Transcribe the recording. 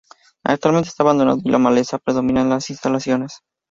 Actualmente esta abandonado y la maleza predomina en las instalaciones.